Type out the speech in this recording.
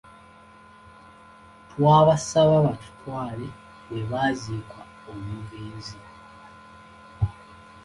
Twabasaba batutwale we baaziika omugenzi.